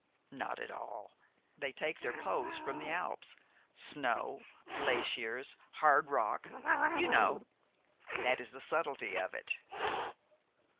"Not at all. They take their pose from the Alps, snow, glaciers, hard rock, you know, that is the subtlety of it."